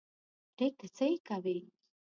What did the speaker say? پرېږده څه یې کوې.